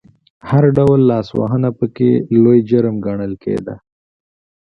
هر ډول لاسوهنه پکې لوی جرم ګڼل کېده.